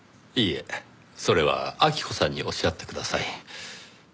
いえそれは晃子さんにおっしゃってください。